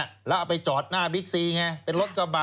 แล้วเอาไปจอดหน้าบิ๊กซีไงเป็นรถกระบะ